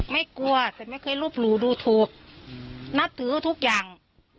ไม่กลัวแต่ไม่เคยรูปหลู่ดูถูกนับถือทุกอย่าง